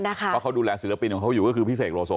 เพราะเขาดูแลศิลปินของเขาอยู่ก็คือพี่เสกโลโซ